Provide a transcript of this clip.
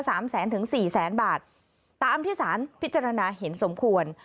สามแสนถึงสี่แสนบาทตามที่สารพิจารณาเห็นสมควร